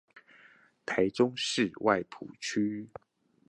臺中市外埔區